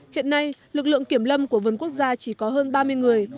hiện nay lực lượng kiểm lâm của vườn quốc gia chỉ có hơn ba mươi người